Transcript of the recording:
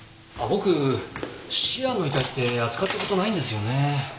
僕シアンの遺体って扱った事ないんですよね。